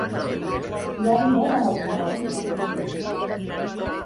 Hi ha diners en abundància.